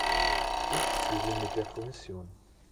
Ich fühle mit der Kommission.